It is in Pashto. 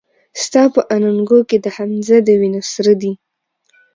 ستا په اننګو کې د حمزه د وينو سره دي